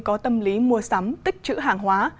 có tâm lý mua sắm tích chữ hàng hóa